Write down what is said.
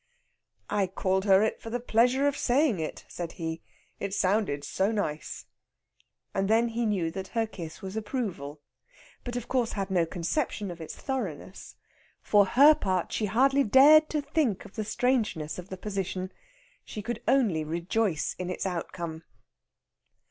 "I called her it for the pleasure of saying it," said he. "It sounded so nice!" And then he knew that her kiss was approval, but of course had no conception of its thoroughness. For her part, she hardly dared to think of the strangeness of the position; she could only rejoice at its outcome.